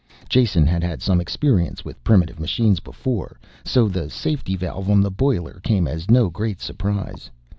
Jason had had some experience with primitive machines before so the safety valve on the boiler came as no great surprise.